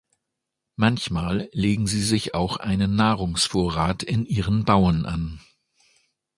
Manchmal legen sie sich auch einen Nahrungsvorrat in ihren Bauen an.